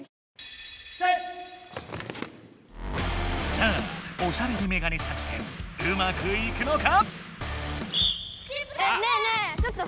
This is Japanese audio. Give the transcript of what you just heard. さあおしゃべりメガネ作戦うまくいくのか？